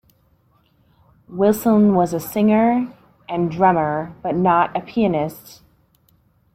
Wilson was a singer and drummer, but not a pianist.